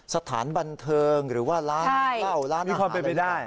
สถานบันเทิงหรือว่าร้านเหล้าร้านนิคอนเป็นไปได้